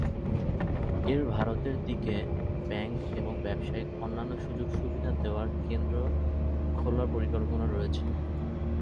এর ভারতের দিকে ব্যাংক এবং ব্যবসায়িক অন্যান্য সুযোগ-সুবিধা দেওয়ার কেন্দ্র খোলার পরিকল্পনা রয়েছে।